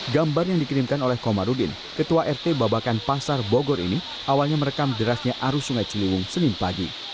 gambar yang dikirimkan oleh komarudin ketua rt babakan pasar bogor ini awalnya merekam derasnya arus sungai ciliwung senin pagi